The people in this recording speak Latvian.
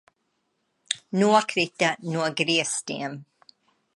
Nokrita no griestiem!